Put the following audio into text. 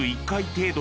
程度？